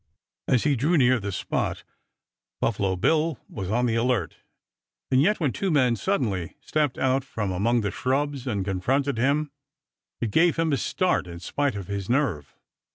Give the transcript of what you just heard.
As he drew near the spot Buffalo Bill was on the alert, and yet when two men suddenly stepped out from among the shrubs and confronted him it gave him a start in spite of his nerve.